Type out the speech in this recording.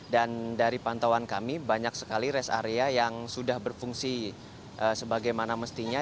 dan dari pantauan kami banyak sekali rest area yang sudah berfungsi sebagaimana mestinya